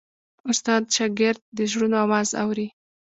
استاد د شاګرد د زړونو آواز اوري.